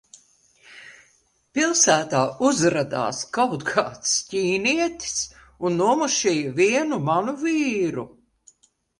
Pilsētā uzradās kaut kāds ķīnietis un nomušīja vienu manu vīru.